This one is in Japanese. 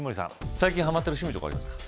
最近はまってる趣味とかありますか？